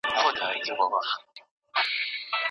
که لمر راوخیژي نو د کوټې یخنۍ به لږه کمه شي.